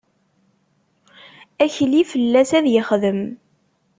Akli fell-as ad yexdem.